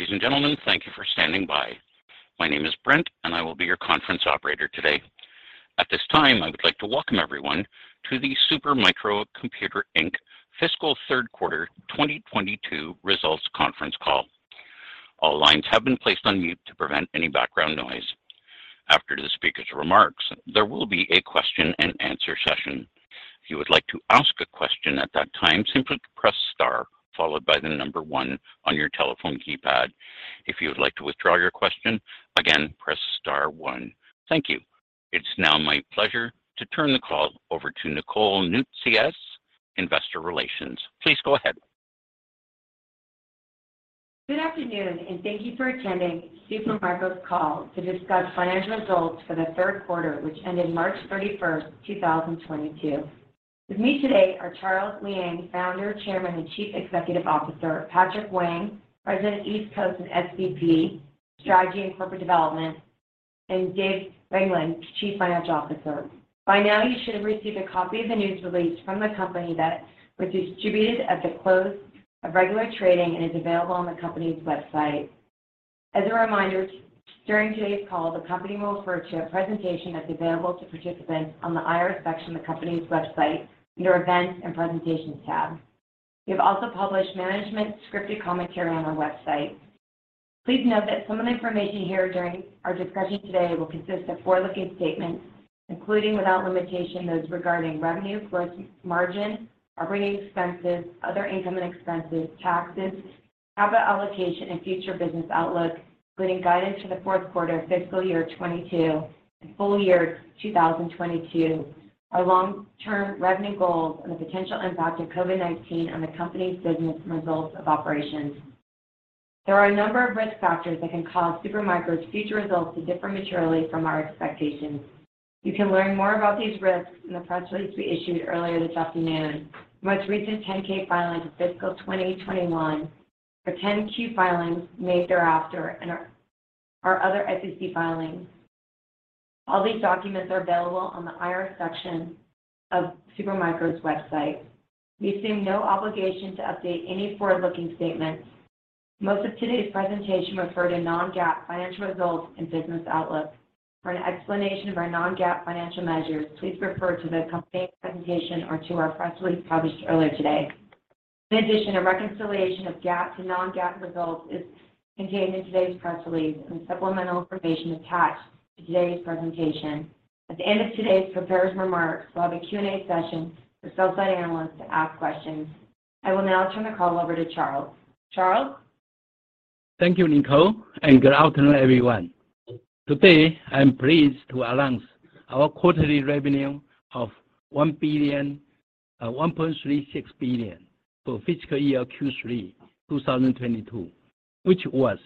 Ladies and gentlemen, thank you for standing by. My name is Brent, and I will be your conference operator today. At this time, I would like to welcome everyone to the Super Micro Computer, Inc. fiscal third quarter 2022 results conference call. All lines have been placed on mute to prevent any background noise. After the speaker's remarks, there will be a question and answer session. If you would like to ask a question at that time, simply press star followed by the number one on your telephone keypad. If you would like to withdraw your question, again, press star one. Thank you. It's now my pleasure to turn the call over to Nicole Noutsios, Investor Relations. Please go ahead. Good afternoon, and thank you for attending Super Micro's call to discuss financial results for the third quarter, which ended March 31, 2022. With me today are Charles Liang, Founder, Chairman, and Chief Executive Officer, Patrick Wang, President, East Coast and SVP, Strategy and Corporate Development, and David Weigand, Chief Financial Officer. By now you should have received a copy of the news release from the company that was distributed at the close of regular trading and is available on the company's website. As a reminder, during today's call the company will refer to a presentation that's available to participants on the IR section of the company's website under Events and Presentations tab. We have also published management scripted commentary on our website. Please note that some of the information here during our discussion today will consist of forward-looking statements, including without limitation, those regarding revenue growth, margins, operating expenses, other income and expenses, taxes, capital allocation and future business outlook, including guidance for the fourth quarter fiscal year 2022 and full year 2022. Our long-term revenue goals and the potential impact of COVID-19 on the company's business results of operations. There are a number of risk factors that can cause Super Micro's future results to differ materially from our expectations. You can learn more about these risks in the press release we issued earlier this afternoon. Most recent 10-K filings for fiscal 2021 and 10-Q filings made thereafter and our other SEC filings. All these documents are available on the IR section of Super Micro's website. We assume no obligation to update any forward-looking statements. Most of today's presentation refers to non-GAAP financial results and business outlook. For an explanation of our non-GAAP financial measures, please refer to the company presentation or to our press release published earlier today. In addition, a reconciliation of GAAP to non-GAAP results is contained in today's press release and supplemental information attached to today's presentation. At the end of today's prepared remarks, we'll have a Q&A session for sell-side analysts to ask questions. I will now turn the call over to Charles. Charles. Thank you, Nicole, and good afternoon, everyone. Today, I am pleased to announce our quarterly revenue of $1.36 billion for fiscal year Q3 2022, which was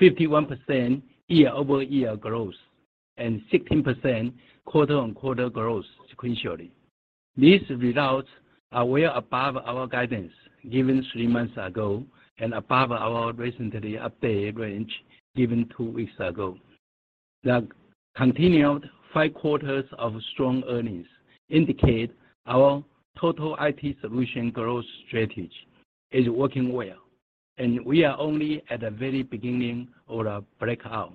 51% YoY growth and 16% quarter-over-quarter growth sequentially. These results are well above our guidance given three months ago and above our recently updated range given two weeks ago. The continued five quarters of strong earnings indicate our Total IT Solution growth strategy is working well, and we are only at the very beginning of the breakout.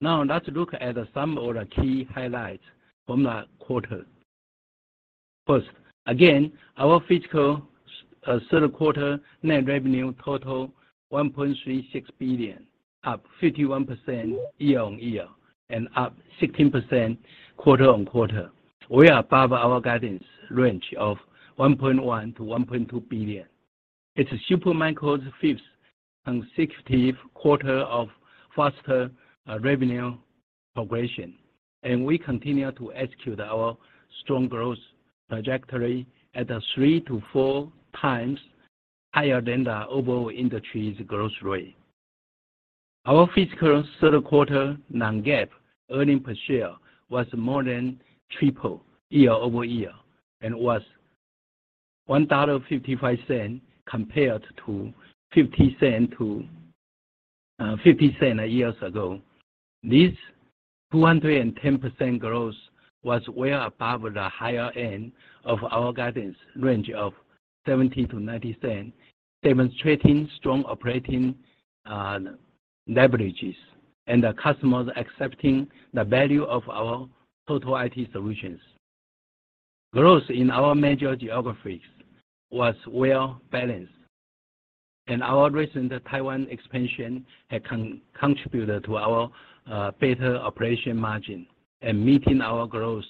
Now let's look at some of the key highlights from the quarter. First, again, our fiscal third quarter net revenue totaled $1.36 billion, up 51% YoY and up 16% quarter-over-quarter. We are above our guidance range of $1.1-$1.2 billion. It's Super Micro's fifth consecutive quarter of faster revenue progression, and we continue to execute our strong growth trajectory at a three to four times higher than the overall industry's growth rate. Our fiscal third quarter non-GAAP earnings per share was more than triple year-over-year and was $1.55 compared to $0.50 a year ago. This 210% growth was well above the higher end of our guidance range of $0.70-$0.90, demonstrating strong operating leverages and the customers accepting the value of our total IT solutions. Growth in our major geographies was well balanced, and our recent Taiwan expansion has contributed to our better operating margin and meeting our growing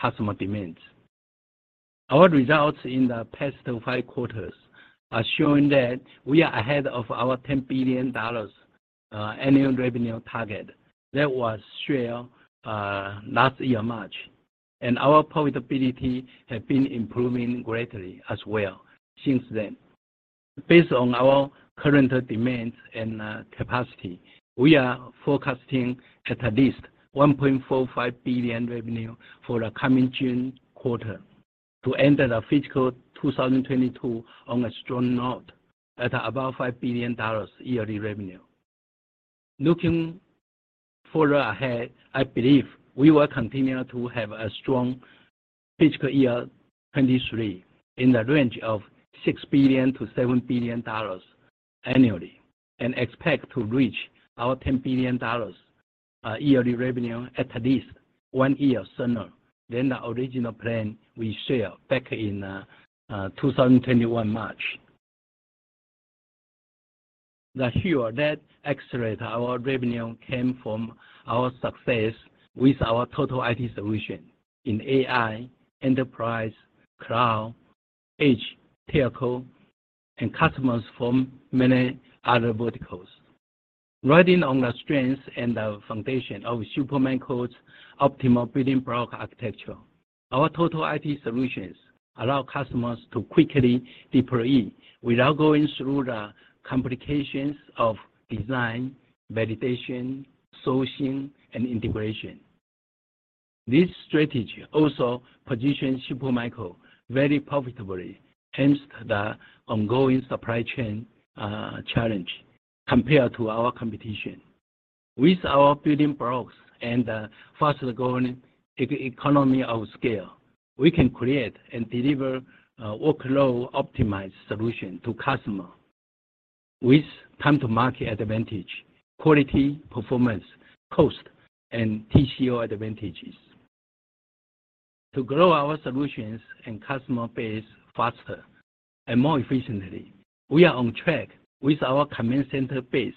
customer demands. Our results in the past five quarters are showing that we are ahead of our $10 billion annual revenue target that was shared March last year. Our profitability has been improving greatly as well since then. Based on our current demands and capacity, we are forecasting at least $1.45 billion revenue for the coming June quarter to end the fiscal 2022 on a strong note at about $5 billion yearly revenue. Looking further ahead, I believe we will continue to have a strong fiscal year 2023 in the range of $6 billion-$7 billion annually, and expect to reach our $10 billion yearly revenue at least one year sooner than the original plan we shared back in March 2021. The growth that accelerated our revenue came from our success with our Total IT Solution in AI, enterprise, cloud, edge, telco, and customers from many other verticals. Riding on the strengths and the foundation of Supermicro's optimal building block architecture, our Total IT solutions allow customers to quickly deploy without going through the complications of design, validation, sourcing, and integration. This strategy also positions Supermicro very profitably despite the ongoing supply chain challenge compared to our competition. With our building blocks and the fast-growing economies of scale, we can create and deliver workload optimized solution to customer with time to market advantage, quality, performance, cost, and TCO advantages. To grow our solutions and customer base faster and more efficiently, we are on track with our command center-based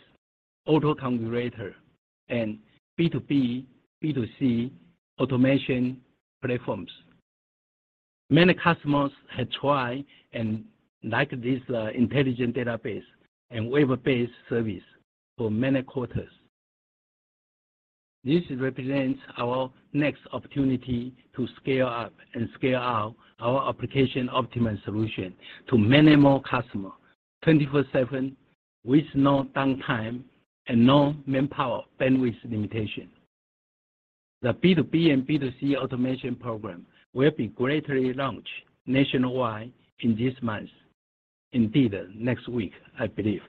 auto configurator, and B2B, B2C automation platforms. Many customers have tried and like this intelligent database and web-based service for many quarters. This represents our next opportunity to scale up and scale out our application optimal solution to many more customer, 24/7 with no downtime and no manpower bandwidth limitation. The B2B and B2C automation program will be greatly launched nationwide in this month. Indeed, next week, I believe.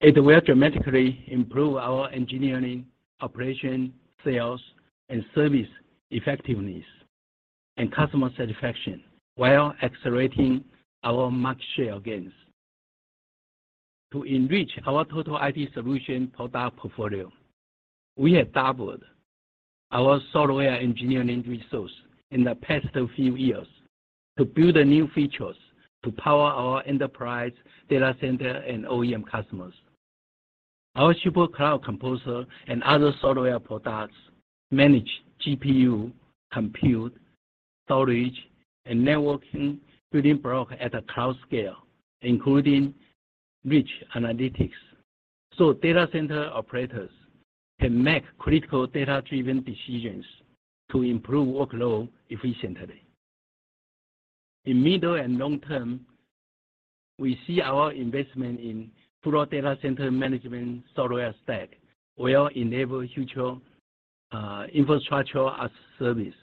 It will dramatically improve our engineering, operation, sales, and service effectiveness and customer satisfaction while accelerating our market share gains. To enrich our Total IT Solution product portfolio, we have doubled our software engineering resource in the past few years to build the new features to power our enterprise, data center, and OEM customers. Our SuperCloud Composer and other software products manage GPU, compute, storage, and networking building block at a cloud scale, including rich analytics, so data center operators can make critical data-driven decisions to improve workload efficiently. In middle and long term, we see our investment in full data center management software stack will enable future Infrastructure as a Service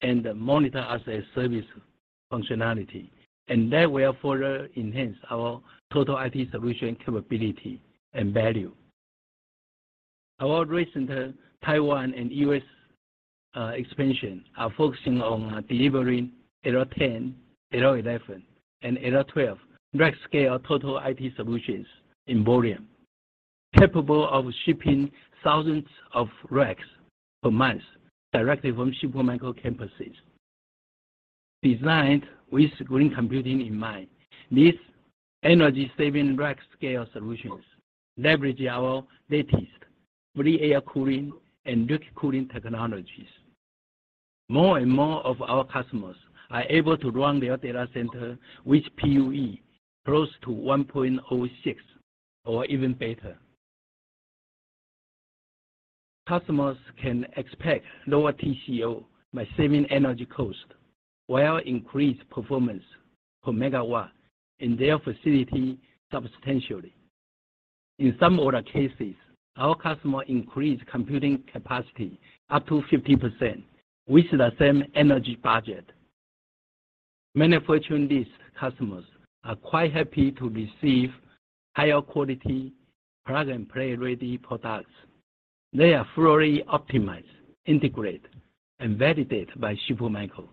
and Monitoring as a Service functionality, and that will further enhance our Total IT Solution capability and value. Our recent Taiwan and U.S. expansion are focusing on delivering L10, L11, and L12 rack scale Total IT Solutions in volume, capable of shipping thousands of racks per month directly from Super micro campuses. Designed with green computing in mind, these energy-saving rack scale solutions leverage our latest free air cooling and liquid cooling technologies. More and more of our customers are able to run their data center with PUE close to 1.06 or even better. Customers can expect lower TCO by saving energy cost while increased performance per megawatt in their facility substantially. In some other cases, our customers increase computing capacity up to 50% with the same energy budget. Many Fortune list customers are quite happy to receive higher quality plug and play ready products. They are fully optimized, integrated, and validated by Super micro.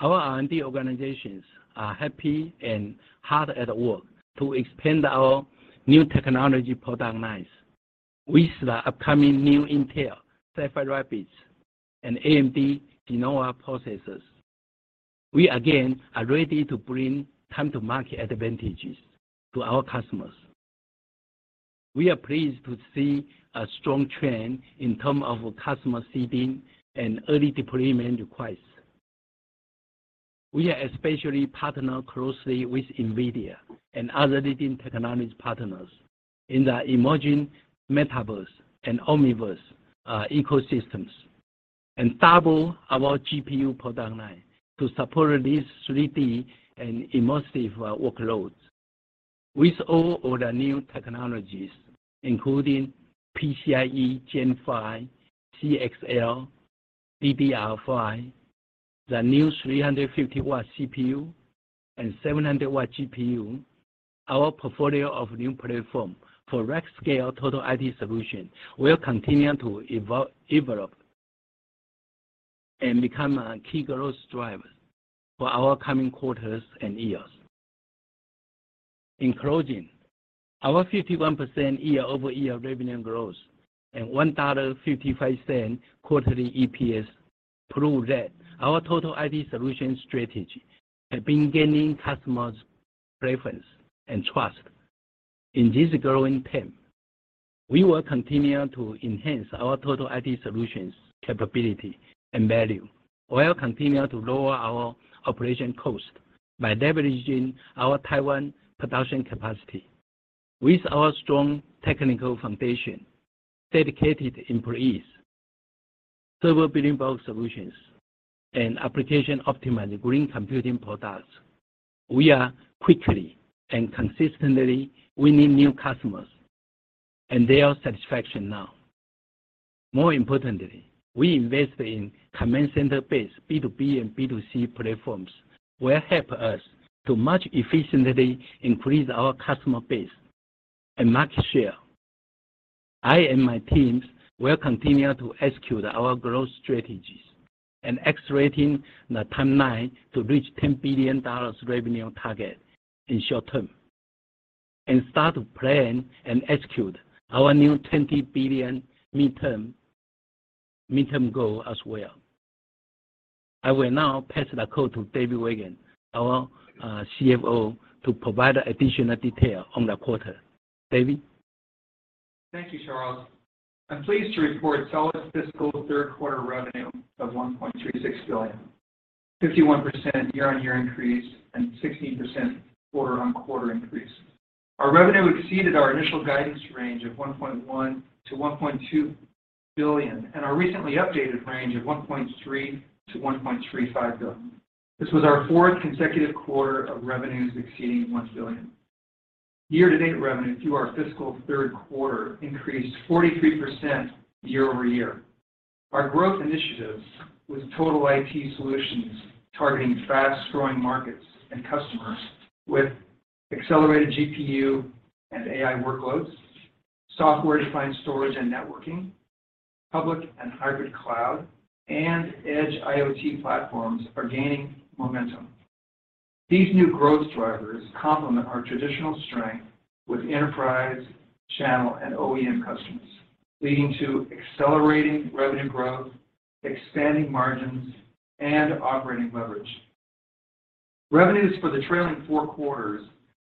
Our R&D organizations are happy and hard at work to expand our new technology product lines. With the upcoming new Intel Sapphire Rapids and AMD Genoa processors, we again are ready to bring time to market advantages to our customers. We are pleased to see a strong trend in terms of customer seeding and early deployment requests. We are especially partnering closely with NVIDIA and other leading technology partners in the emerging metaverse and Omniverse ecosystems, and double our GPU product line to support these 3D and immersive workloads. With all of the new technologies, including PCIe Gen 5, CXL, DDR5, the new 350-watt CPU and 700-watt GPU, our portfolio of new platforms for rack-scale Total IT Solution will continue to evolve and become a key growth driver for our coming quarters and years. In closing, our 51% year-over-year revenue growth and $1.55 quarterly EPS prove that our Total IT Solution strategy has been gaining customers' preference and trust. In this growing trend, we will continue to enhance our Total IT Solutions capability and value, while continuing to lower our operating cost by leveraging our Taiwan production capacity. With our strong technical foundation, dedicated employees, server building block solutions, and application optimized green computing products, we are quickly and consistently winning new customers and their satisfaction now. More importantly, we invest in command center-based B2B and B2C platforms will help us to much efficiently increase our customer base and market share. I and my teams will continue to execute our growth strategies and accelerating the timeline to reach $10 billion revenue target in short term, and start to plan and execute our new $20 billion midterm goal as well. I will now pass the call to David Weigand, our CFO, to provide additional detail on the quarter. David? Thank you, Charles. I'm pleased to report solid fiscal third quarter revenue of $1.36 billion, 51% YoY increase, and 16% QoQ increase. Our revenue exceeded our initial guidance range of $1.1-$1.2 billion and our recently updated range of $1.3-$1.35 billion. This was our fourth consecutive quarter of revenues exceeding $1 billion. Year-to-date revenue through our fiscal third quarter increased 43% year-over-year. Our growth initiatives with total IT solutions targeting fast-growing markets and customers with accelerated GPU and AI workloads, software-defined storage and networking, public and hybrid cloud, and edge IoT platforms are gaining momentum. These new growth drivers complement our traditional strength with enterprise, channel, and OEM customers, leading to accelerating revenue growth, expanding margins, and operating leverage. Revenues for the trailing four quarters,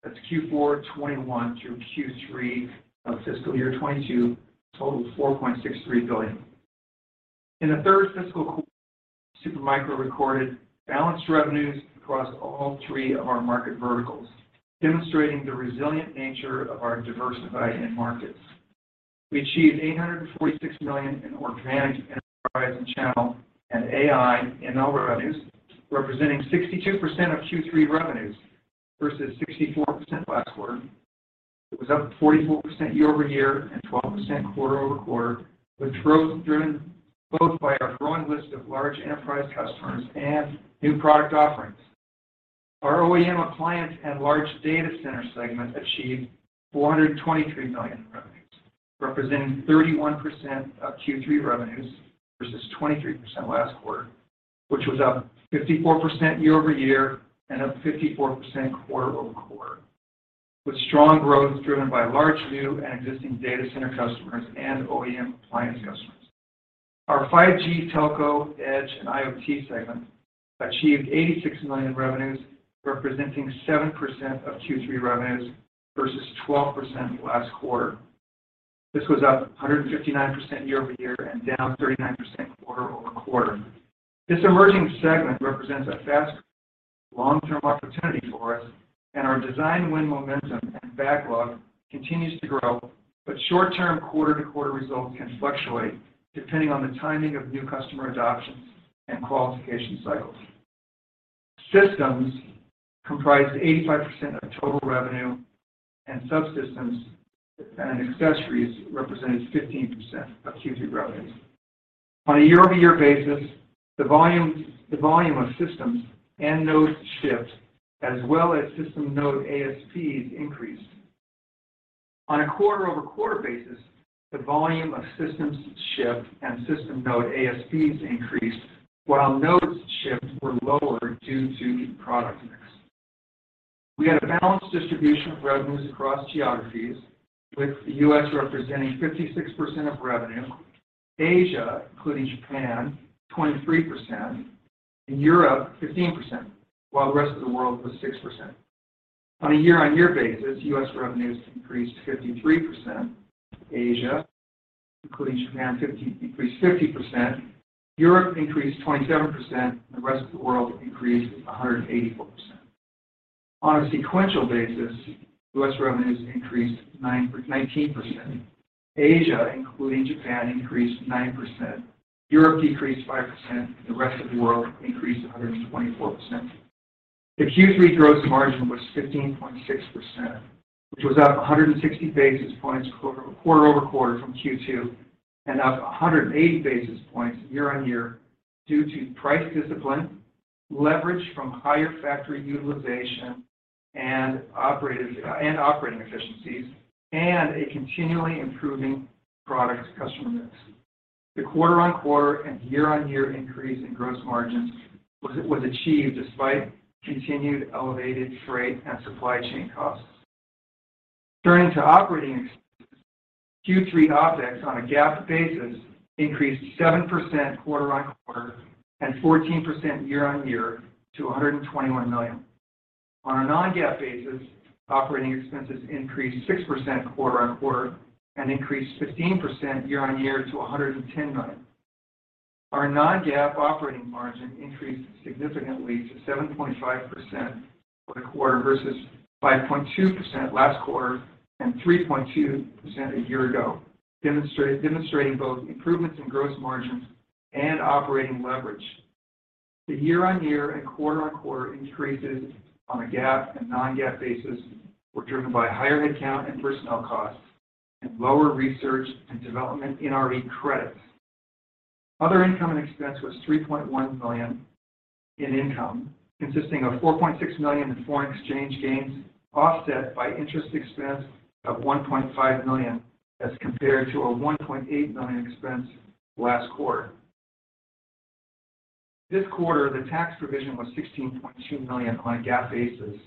that's Q4 2021 through Q3 of fiscal year 2022, totaled $4.63 billion. In the third fiscal quarter, Super Micro recorded balanced revenues across all three of our market verticals, demonstrating the resilient nature of our diversified end markets. We achieved $846 million in organic enterprise and channel and AI ML revenues, representing 62% of Q3 revenues versus 64% last quarter. It was up 44% year-over-year and 12% quarter-over-quarter, with growth driven both by our growing list of large enterprise customers and new product offerings. Our OEM appliance and large data center segment achieved $423 million in revenues, representing 31% of Q3 revenues versus 23% last quarter, which was up 54% year-over-year and up 54% quarter-over-quarter, with strong growth driven by large, new, and existing data center customers and OEM appliance customers. Our 5G telco, edge, and IoT segment achieved $86 million in revenues, representing 7% of Q3 revenues versus 12% last quarter. This was up 159% year-over-year and down 39% quarter-over-quarter. This emerging segment represents a fast long-term opportunity for us, and our design win momentum and backlog continues to grow, but short-term quarter-to-quarter results can fluctuate depending on the timing of new customer adoptions and qualification cycles. Systems comprised 85% of total revenue, and subsystems and accessories represented 15% of Q3 revenues. On a YoY basis, the volume of systems and nodes shipped, as well as system node ASPs increased. On a QoQ basis, the volume of systems shipped and system node ASPs increased, while nodes shipped were lower due to product mix. We had a balanced distribution of revenues across geographies, with the U.S. representing 56% of revenue, Asia, including Japan, 23%, and Europe, 15%, while the rest of the world was 6%. On a year-over-year basis, U.S. revenues increased 53%. Asia, including Japan, increased 50%. Europe increased 27%, and the rest of the world increased 184%. On a sequential basis, U.S. revenues increased 19%. Asia, including Japan, increased 9%. Europe decreased 5%, and the rest of the world increased 124%. The Q3 gross margin was 15.6%, which was up 160 basis points quarter-over-quarter from Q2 and up 180 basis points year-on-year due to price discipline, leverage from higher factory utilization and operating efficiencies, and a continually improving product customer mix. The quarter-on-quarter and year-on-year increase in gross margins was achieved despite continued elevated freight and supply chain costs. Turning to operating expenses, Q3 OpEx on a GAAP basis increased 7% quarter-over-quarter and 14% year-on-year to $121 million. On a non-GAAP basis, operating expenses increased 6% quarter-over-quarter and increased 15% year-on-year to $110 million. Our non-GAAP operating margin increased significantly to 7.5% for the quarter versus 5.2% last quarter and 3.2% a year ago, demonstrating both improvements in gross margins and operating leverage. The year-on-year and quarter-on-quarter increases on a GAAP and non-GAAP basis were driven by higher headcount and personnel costs and lower research and development NRE credits. Other income and expense was $3.1 million in income, consisting of $4.6 million in foreign exchange gains, offset by interest expense of $1.5 million as compared to a $1.8 million expense last quarter. This quarter, the tax provision was $16.2 million on a GAAP basis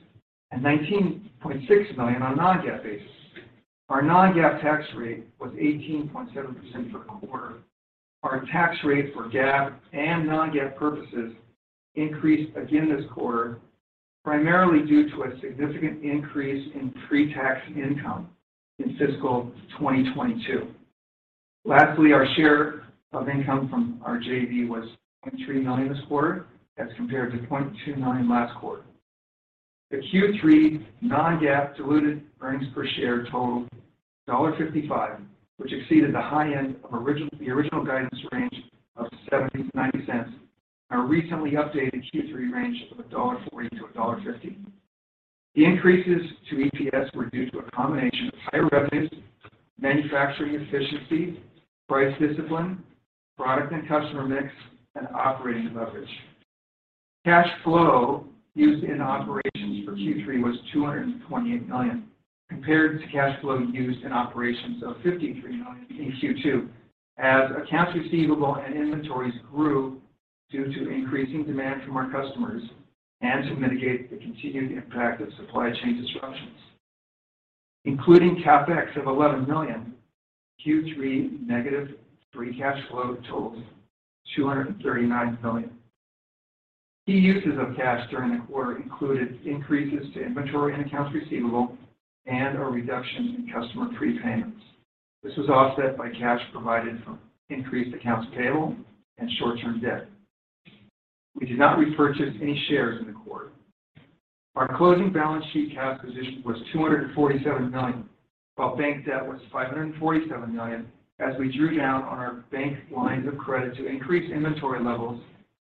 and $19.6 million on a non-GAAP basis. Our non-GAAP tax rate was 18.7% for the quarter. Our tax rate for GAAP and non-GAAP purposes increased again this quarter, primarily due to a significant increase in pre-tax income in fiscal 2022. Lastly, our share of income from our JV was $0.3 million this quarter as compared to $0.2 million last quarter. The Q3 non-GAAP diluted earnings per share totaled $1.55, which exceeded the high end of the original guidance range of $0.70-$0.90 on our recently updated Q3 range of $1.40-$1.50. The increases to EPS were due to a combination of higher revenues, manufacturing efficiency, price discipline, product and customer mix, and operating leverage. Cash flow used in operations for Q3 was $228 million, compared to cash flow used in operations of $53 million in Q2 as accounts receivable and inventories grew due to increasing demand from our customers and to mitigate the continued impact of supply chain disruptions. Including CapEx of $11 million, Q3 negative free cash flow totals $239 million. Key uses of cash during the quarter included increases to inventory and accounts receivable and a reduction in customer prepayments. This was offset by cash provided from increased accounts payable and short-term debt. We did not repurchase any shares in the quarter. Our closing balance sheet cash position was $247 million, while bank debt was $547 million as we drew down on our bank lines of credit to increase inventory levels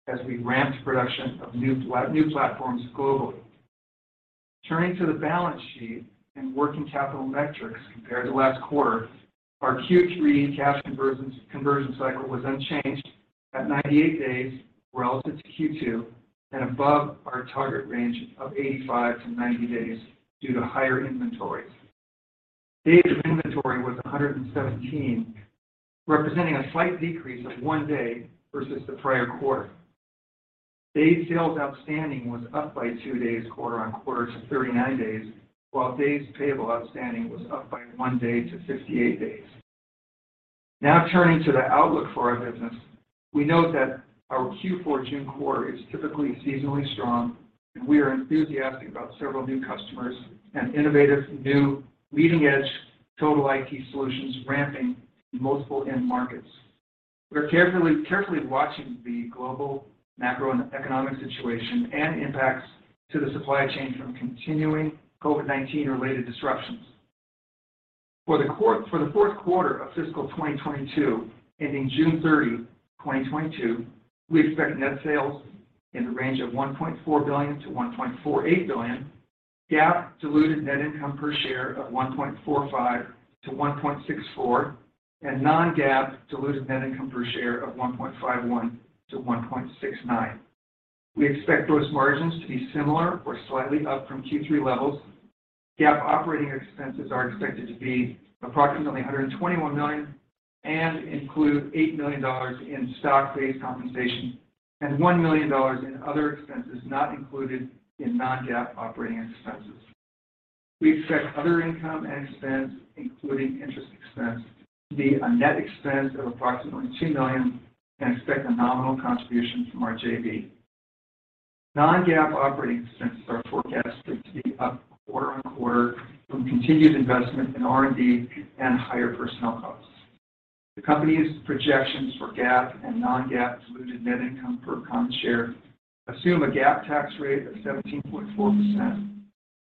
as we ramped production of new platforms globally. Turning to the balance sheet and working capital metrics compared to last quarter, our Q3 cash conversion cycle was unchanged at 98 days relative to Q2 and above our target range of 85-90 days due to higher inventories. Days of inventory was 117, representing a slight decrease of 1 day versus the prior quarter. Day sales outstanding was up by two days quarter on quarter to 39 days, while days payable outstanding was up by one day to 58 days. Now turning to the outlook for our business. We note that our Q4 June quarter is typically seasonally strong, and we are enthusiastic about several new customers and innovative new leading-edge Total IT Solutions ramping in multiple end markets. We are carefully watching the global macroeconomic situation and impacts to the supply chain from continuing COVID-19 related disruptions. For the fourth quarter of fiscal 2022, ending June 30, 2022, we expect net sales in the range of $1.4 billion-$1.48 billion, GAAP diluted net income per share of $1.45-$1.64, and non-GAAP diluted net income per share of $1.51-$1.69. We expect gross margins to be similar or slightly up from Q3 levels. GAAP operating expenses are expected to be approximately $121 million and include $8 million in stock-based compensation and $1 million in other expenses not included in non-GAAP operating expenses. We expect other income and expense, including interest expense, to be a net expense of approximately $2 million and expect a nominal contribution from our JV. non-GAAP operating expenses are forecasted to be up quarter-over-quarter from continued investment in R&D and higher personnel costs. The company's projections for GAAP and non-GAAP diluted net income per common share assume a GAAP tax rate of 17.4%,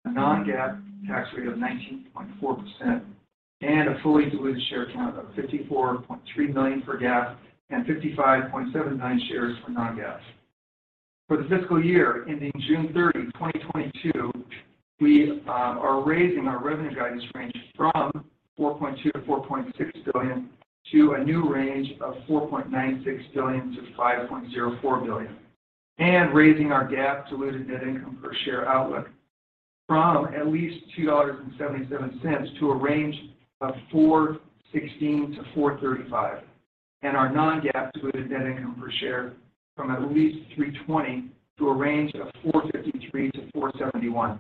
a non-GAAP tax rate of 19.4% and a fully diluted share count of 54.3 million for GAAP and 55.79 million shares for non-GAAP. For the fiscal year ending June 30, 2022, we are raising our revenue guidance range from $4.2 billion-$4.6 billion to a new range of $4.96 billion-$5.04 billion. Raising our GAAP diluted net income per share outlook from at least $2.77 to a range of $4.16-$4.35. Our non-GAAP diluted net income per share from at least $3.20 to a range of $4.53-$4.71.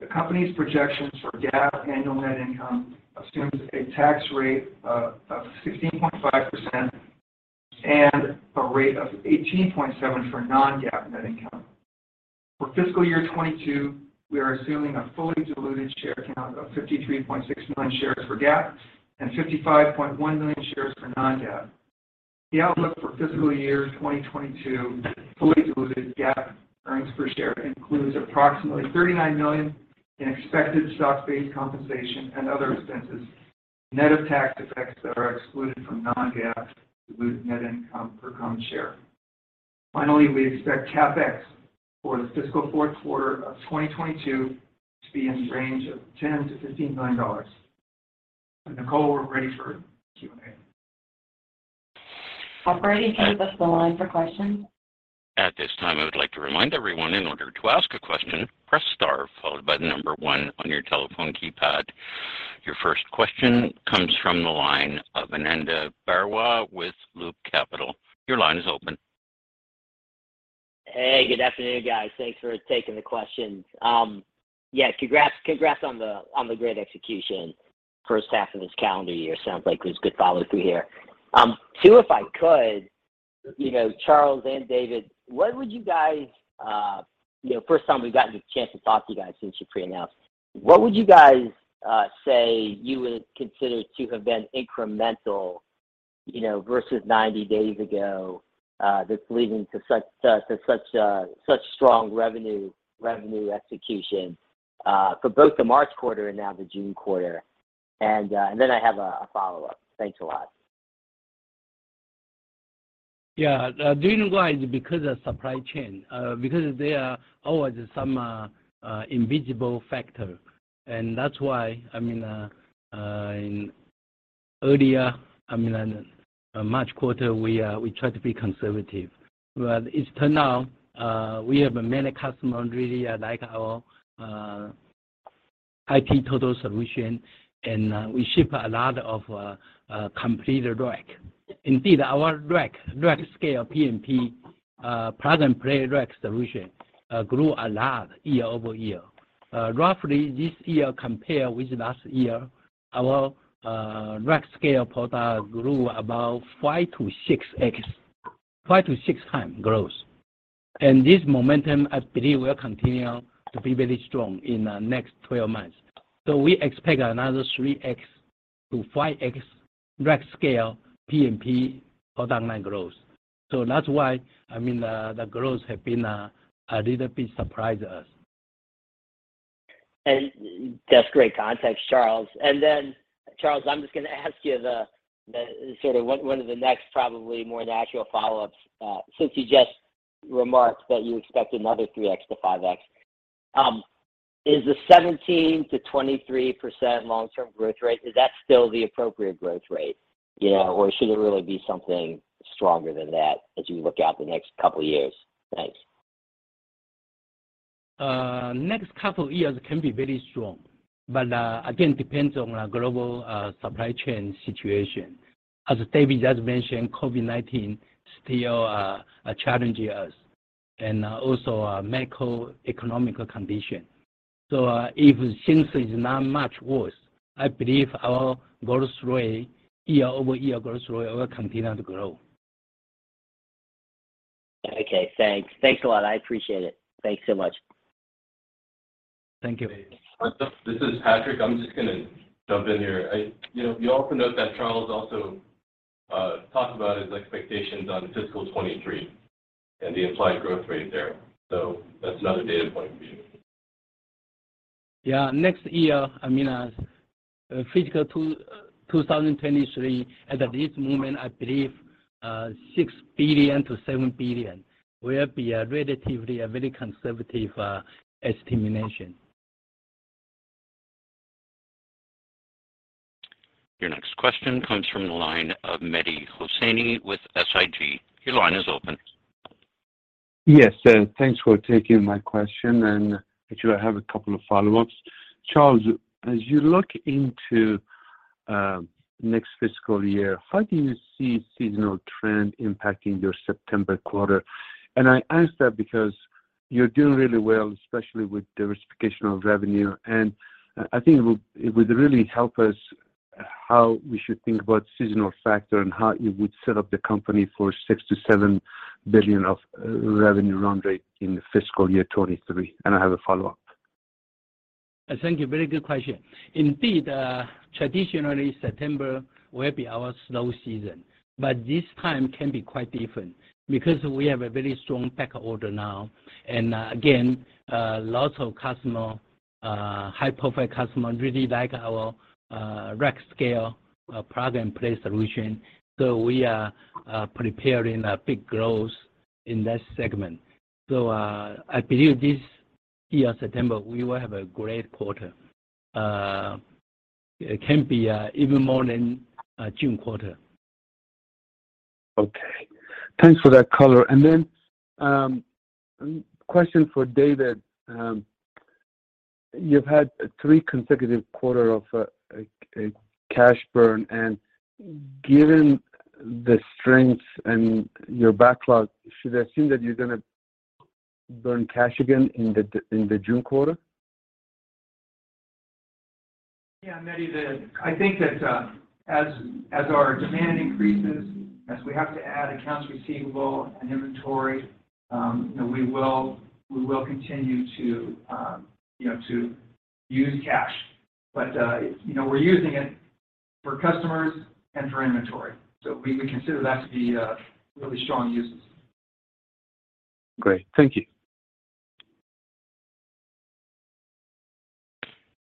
The company's projections for GAAP annual net income assumes a tax rate of sixteen point five percent and a rate of eighteen point seven for non-GAAP net income. For fiscal year 2022, we are assuming a fully diluted share count of 53.6 million shares for GAAP and 55.1 million shares for non-GAAP. The outlook for fiscal year 2022 fully diluted GAAP earnings per share includes approximately $39 million in expected stock-based compensation and other expenses, net of tax effects that are excluded from non-GAAP diluted net income per common share. Finally, we expect CapEx for the fiscal fourth quarter of 2022 to be in the range of $10-$15 million. Nicole, we're ready for Q&A. Operator, can you give us the line for questions? At this time, I would like to remind everyone, in order to ask a question, press star followed by the number one on your telephone keypad. Your first question comes from the line of Ananda Baruah with Loop Capital, your line is open. Hey, good afternoon, guys. Thanks for taking the questions. Yeah, congrats on the great execution. First half of this calendar year sounds like it was good follow-through here. Too, if I could, you know, Charles and David, what would you guys, you know, first time we've gotten a chance to talk to you guys since you pre-announced. What would you guys say you would consider to have been incremental, you know, versus 90 days ago, that's leading to such strong revenue execution for both the March quarter and now the June quarter? Then I have a follow-up. Thanks a lot. Yeah. Do you know why is because of supply chain. Because there are always some invisible factor. That's why, I mean, in March quarter, we tried to be conservative. It turned out we have many customer really like our total IT solution, and we ship a lot of completed rack. Indeed, our rack scale PnP plug and play rack solution grew a lot YoY. Roughly this year compare with last year, our rack scale product grew about 5-6x, 5-6 times growth. This momentum, I believe, will continue to be very strong in the next 12 months. We expect another 3x-5x rack scale PnP product line growth. That's why, I mean, the growth have been a little bit surprise us. That's great context, Charles. Then, Charles, I'm just gonna ask you the sort of one of the next probably more natural follow-ups, since you just remarked that you expect another 3x to 5x. Is the 17%-23% long-term growth rate still the appropriate growth rate? You know, or should it really be something stronger than that as you look out the next couple of years? Thanks. Next couple of years can be very strong. Again, depends on global supply chain situation. As David just mentioned, COVID-19 still challenging us and also macroeconomic condition. If things is not much worse, I believe our growth rate, year-over-year growth rate will continue to grow. Okay, thanks. Thanks a lot. I appreciate it. Thanks so much. Thank you. This is Patrick. I'm just gonna jump in here. You know, you also note that Charles also talked about his expectations on fiscal 2023 and the implied growth rate there. That's another data point for you. Next year, I mean, fiscal 2023, at this moment, I believe, $6 billion-$7 billion will be a relatively a very conservative estimation. Your next question comes from the line of Mehdi Hosseini with SIG, your line is open. Yes. Thanks for taking my question. Actually, I have a couple of follow-ups. Charles, as you look into next fiscal year, how do you see seasonal trend impacting your September quarter? I ask that because you're doing really well, especially with diversification of revenue. I think it would really help us how we should think about seasonal factor and how you would set up the company for $6 billion-$7 billion of revenue run rate in fiscal year 2023. I have a follow-up. Thank you. Very good question. Indeed, traditionally, September will be our slow season, but this time can be quite different because we have a very strong back order now and, again, lots of customer, high-profile customer really like our, rack scale, plug and play solution. We are preparing a big growth in that segment. I believe this year, September, we will have a great quarter. It can be even more than June quarter. Okay. Thanks for that color. Question for David. You've had three consecutive quarter of a cash burn, and given the strengths and your backlog, should I assume that you're gonna burn cash again in the June quarter? Yeah, Mehdi, I think that as our demand increases, as we have to add accounts receivable and inventory, you know, we will continue to use cash. But you know, we're using it for customers and for inventory. We consider that to be really strong uses. Great. Thank you.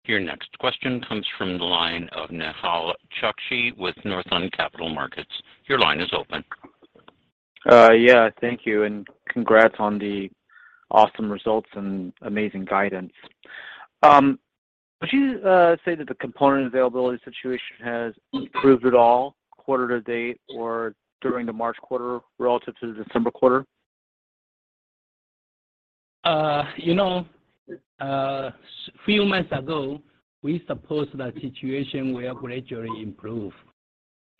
Your next question comes from the line of Nehal Chokshi with Northland Capital Markets. Your line is open. Yeah. Thank you, and congrats on the awesome results and amazing guidance. Would you say that the component availability situation has improved at all quarter to date or during the March quarter relative to the December quarter? You know, few months ago, we suppose the situation will gradually improve.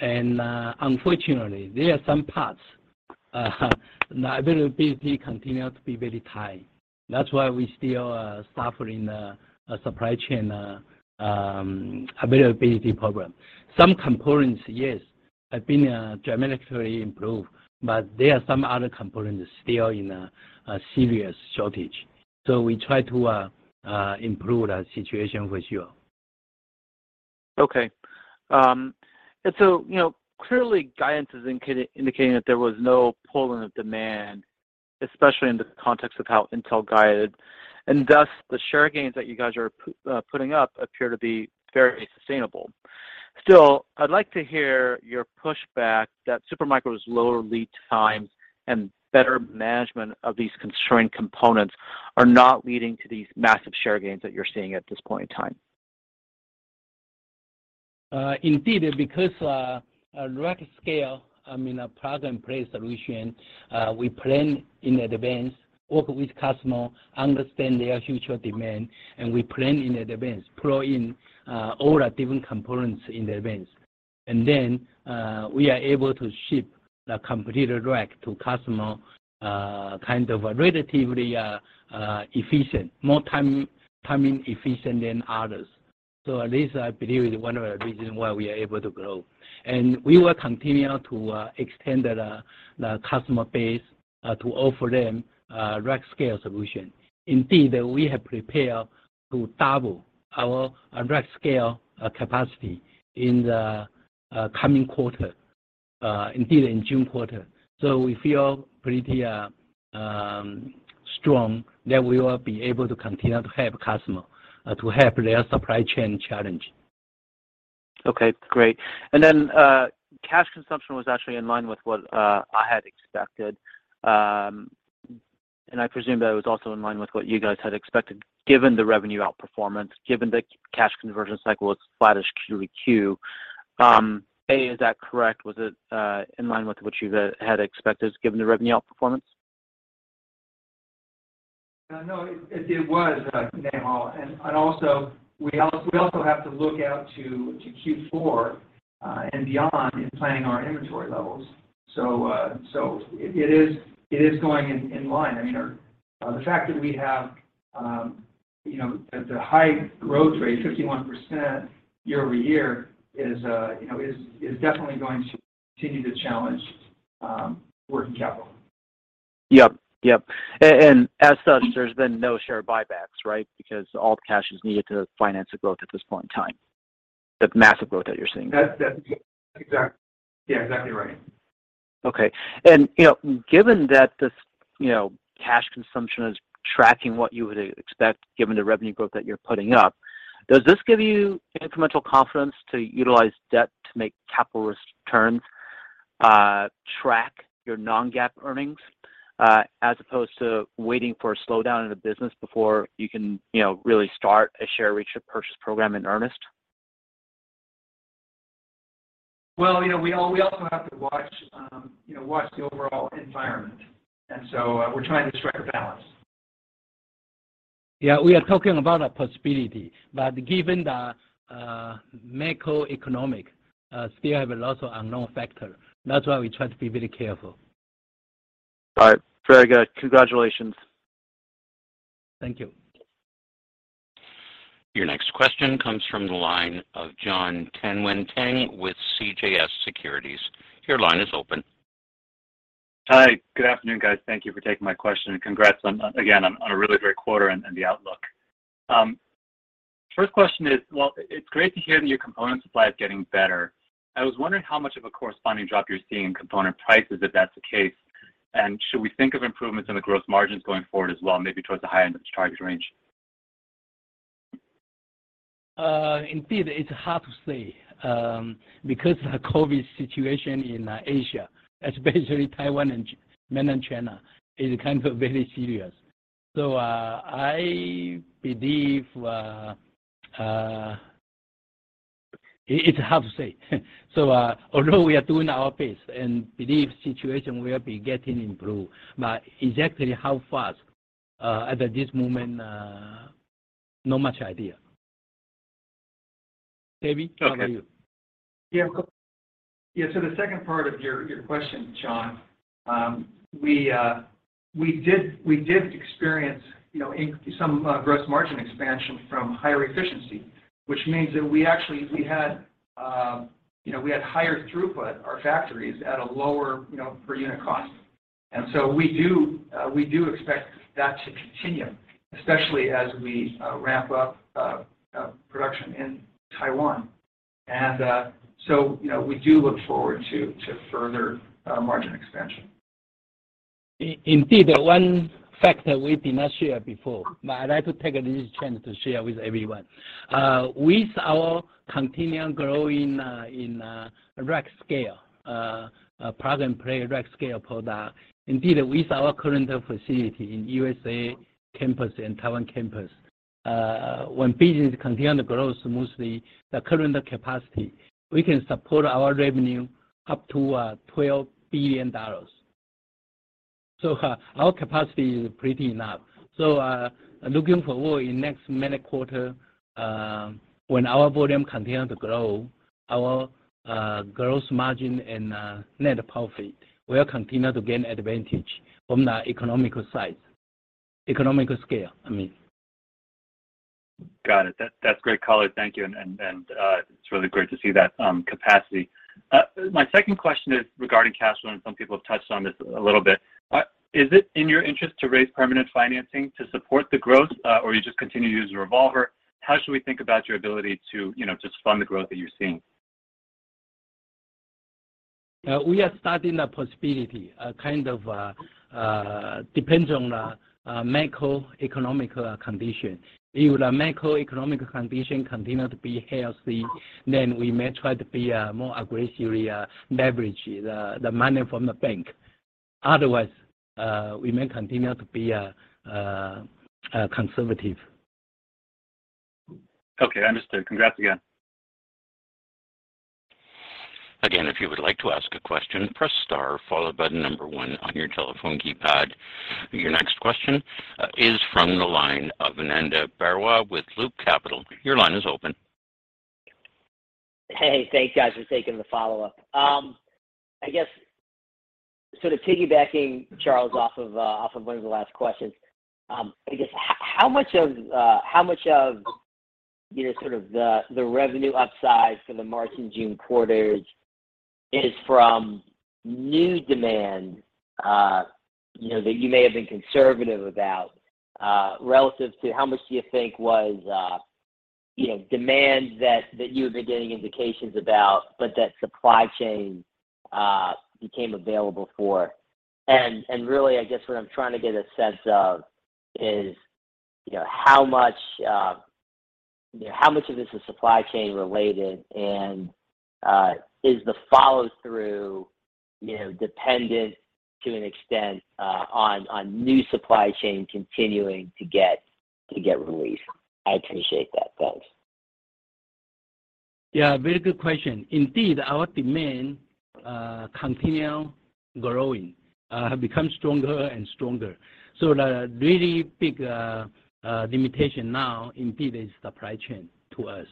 Unfortunately, there are some parts, the availability continue to be very tight. That's why we still suffering a supply chain availability problem. Some components, yes, have been dramatically improved, but there are some other components still in a serious shortage. We try to improve that situation for sure. Okay. You know, clearly, guidance is indicating that there was no pull in the demand, especially in the context of how Intel guided. Thus, the share gains that you guys are putting up appear to be very sustainable. Still, I'd like to hear your pushback that Super Micro's lower lead times and better management of these constrained components are not leading to these massive share gains that you're seeing at this point in time. Indeed, because rack scale, I mean, a plug and play solution, we plan in advance, work with customer, understand their future demand, and we plan in advance, pull in all the different components in advance. We are able to ship the computer rack to customer kind of relatively efficient, more timely efficient than others. This, I believe, is one of the reasons why we are able to grow. We will continue to extend the customer base to offer them rack scale solution. Indeed, we have prepared to double our rack scale capacity in the coming quarter, indeed in June quarter. We feel pretty strong that we will be able to continue to help customer to help their supply chain challenge. Okay, great. Cash consumption was actually in line with what I had expected, and I presume that it was also in line with what you guys had expected, given the revenue outperformance, given the cash conversion cycle was flattish Q to Q. Yeah, is that correct? Was it in line with what you had expected given the revenue outperformance? No, it was Nehal. We also have to look out to Q4 and beyond in planning our inventory levels. It is going in line. I mean, the fact that we have you know the high growth rate, 51% year-over-year is you know is definitely going to continue to challenge working capital. Yep. As such, there's been no share buybacks, right? Because all the cash is needed to finance the growth at this point in time, the massive growth that you're seeing. That's exactly. Yeah, exactly right. Okay. You know, given that this, you know, cash consumption is tracking what you would expect given the revenue growth that you're putting up, does this give you incremental confidence to utilize debt to make capital returns, track your non-GAAP earnings, as opposed to waiting for a slowdown in the business before you can, you know, really start a share repurchase program in earnest? Well, you know, we also have to watch the overall environment. We're trying to strike a balance. Yeah, we are talking about a possibility. Given the macroeconomic, still have a lot of unknown factors. That's why we try to be very careful. All right. Very good. Congratulations. Thank you. Your next question comes from the line of Jonathan Tanwanteng with CJS Securities, your line is open. Hi. Good afternoon, guys. Thank you for taking my question, and congrats on, again, on a really great quarter and the outlook. First question is, well, it's great to hear that your component supply is getting better. I was wondering how much of a corresponding drop you're seeing in component prices if that's the case. Should we think of improvements in the gross margins going forward as well, maybe towards the high end of the target range? Indeed, it's hard to say because of the COVID-19 situation in Asia, especially Taiwan and Mainland China, is kind of very serious. I believe It's hard to say. Although we are doing our best and believe situation will be getting improved, but exactly how fast, at this moment, not much idea. David, how about you? Okay. Yeah. Yeah, the second part of your question, John, we did experience, you know, some gross margin expansion from higher efficiency, which means that we actually had higher throughput our factories at a lower per unit cost. You know, we do look forward to further margin expansion. Indeed, one factor we did not share before, but I'd like to take this chance to share with everyone. With our continuing growth in rack-scale plug-and-play rack-scale product, indeed, with our current facility in USA campus and Taiwan campus, when business continue to grow smoothly, the current capacity we can support our revenue up to $12 billion. Our capacity is pretty enough. Looking forward in next many quarter, when our volume continue to grow, our gross margin and net profit will continue to gain advantage from the economies of scale. I mean. Got it. That's great color. Thank you. It's really great to see that capacity. My second question is regarding cash flow, and some people have touched on this a little bit. Is it in your interest to raise permanent financing to support the growth, or you just continue to use the revolver? How should we think about your ability to, you know, just fund the growth that you're seeing? We are studying the possibility. Kind of depends on the macroeconomic condition. If the macroeconomic condition continue to be healthy, then we may try to be more aggressively leverage the money from the bank. Otherwise, we may continue to be conservative. Okay, understood. Congrats again. Again, if you would like to ask a question, press star followed by the number one on your telephone keypad. Your next question is from the line of Ananda Baruah with Loop Capital, your line is open. Hey. Thanks, guys, for taking the follow-up. I guess sort of piggybacking, Charles, off of one of the last questions, I guess how much of, you know, sort of the revenue upside for the March and June quarters is from new demand, you know, that you may have been conservative about, relative to how much do you think was, you know, demand that you had been getting indications about, but that supply chain became available for? And really, I guess what I'm trying to get a sense of is, you know, how much of this is supply chain related, and is the follow-through, you know, dependent to an extent, on new supply chain continuing to get relief? I'd appreciate that. Thanks. Yeah, very good question. Indeed, our demand continue growing become stronger and stronger. The really big limitation now indeed is supply chain to us.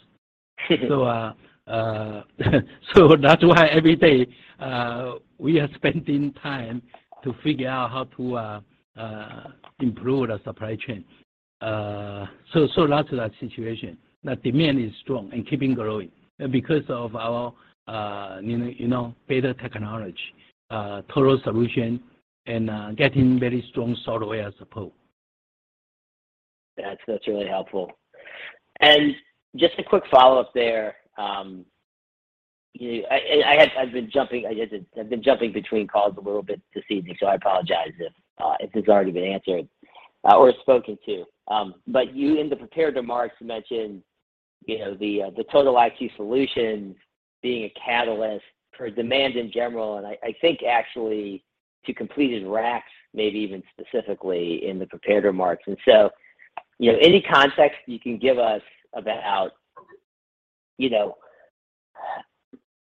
That's why every day we are spending time to figure out how to improve the supply chain. That's the situation. The demand is strong and keeping growing because of our you know better technology total solution and getting very strong software support. That's really helpful. Just a quick follow-up there. I've been jumping between calls a little bit this evening, so I apologize if this has already been answered or spoken to. You in the prepared remarks mentioned, you know, the Total IT Solution being a catalyst for demand in general, and I think actually to completed racks, maybe even specifically in the prepared remarks. You know, any context you can give us about, you know,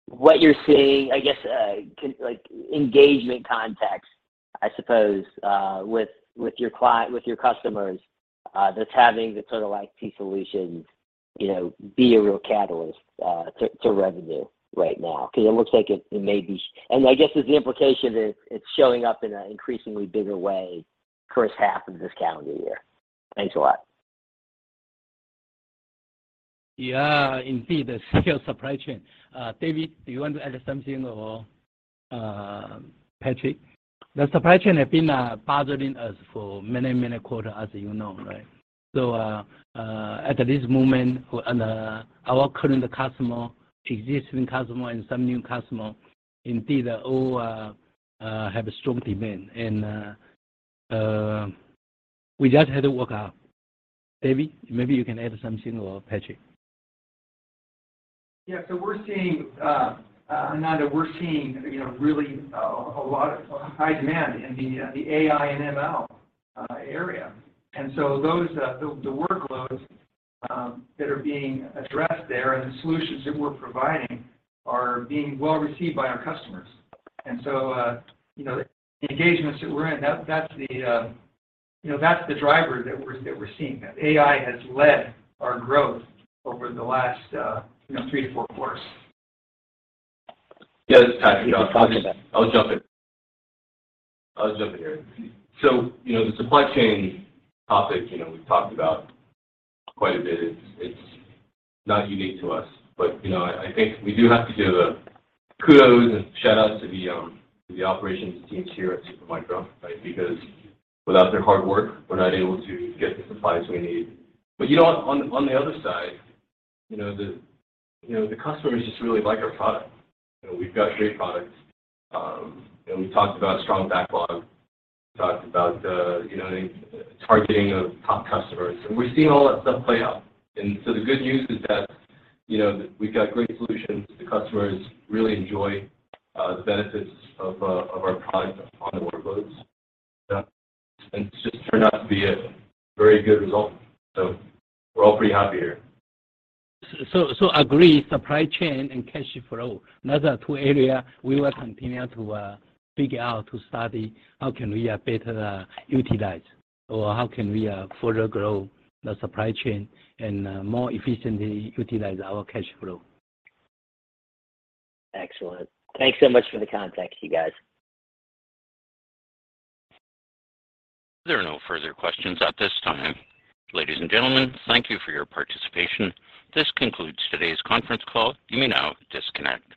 what you're seeing, I guess, like engagement context, I suppose, with your customers, just having the Total IT Solution, you know, be a real catalyst to revenue right now? 'Cause it looks like it may be. I guess there's the implication that it's showing up in an increasingly bigger way first half of this calendar year. Thanks a lot. Yeah, indeed, the scale supply chain. David, do you want to add something or Patrick? The supply chain has been bothering us for many quarters, as you know, right? At this moment, our current customer, existing customer and some new customer indeed all have a strong demand. We just had to work out. David, maybe you can add something or Patrick. Yeah. Now that we're seeing, you know, really a lot of high demand in the AI and ML area. Those workloads that are being addressed there and the solutions that we're providing are being well-received by our customers. You know, the engagements that we're in, that's the driver that we're seeing. AI has led our growth over the last, you know three to four quarters. Yeah. This is Patrick. I'll just jump in here. You know, the supply chain topic, you know, we've talked about quite a bit. It's not unique to us. You know, I think we do have to give a kudos and shout-outs to the operations teams here at Super Micro, right? Because without their hard work, we're not able to get the supplies we need. You know, on the other side, you know, the customers just really like our product. You know, we've got great products. You know, we talked about strong backlog. We talked about, you know, targeting of top customers, and we're seeing all that stuff play out. The good news is that, you know, we've got great solutions. The customers really enjoy the benefits of our products on the workloads. Yeah. It just turned out to be a very good result. We're all pretty happy here. I agree, supply chain and cash flow. Another two areas we will continue to figure out to study how can we better utilize or how can we further grow the supply chain and more efficiently utilize our cash flow. Excellent. Thanks so much for the context, you guys. There are no further questions at this time. Ladies and gentlemen, thank you for your participation. This concludes today's conference call. You may now disconnect.